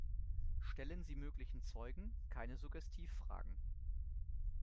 Stellen Sie möglichen Zeugen keine Suggestivfragen.